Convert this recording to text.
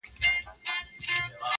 نور څه نه وای چي هر څه وای!